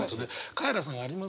カエラさんあります？